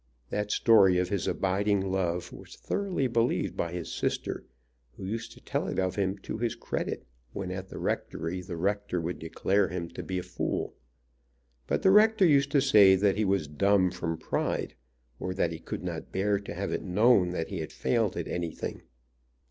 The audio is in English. That story of his abiding love was throughly believed by his sister, who used to tell it of him to his credit when at the rectory the rector would declare him to be a fool. But the rector used to say that he was dumb from pride, or that he could not bear to have it known that he had failed at anything.